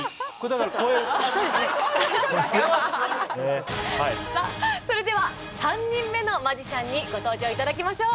さあそれでは３人目のマジシャンにご登場いただきましょう。